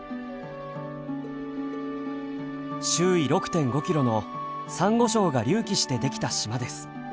周囲６．５キロのさんご礁が隆起してできた島です。